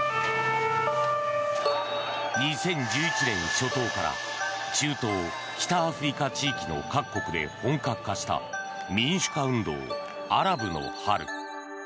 ２０１１年初頭から中東・北アフリカの地域で本格化した民主化運動、アラブの春。